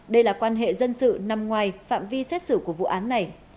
đây là quan hệ dân sự nằm ngoài phạm vi xét xử của vụ án này